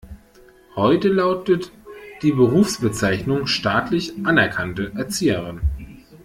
Heute lautet die Berufsbezeichnung staatlich anerkannte Erzieherin.